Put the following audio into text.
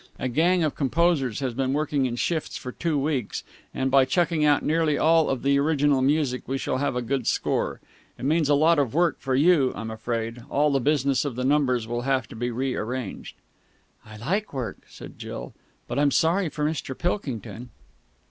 A gang of composers has been working in shifts for two weeks, and, by chucking out nearly all of the original music, we shall have a good score. It means a lot of work for you, I'm afraid. All the business of the numbers will have to be re arranged." "I like work," said Jill. "But I'm sorry for Mr. Pilkington."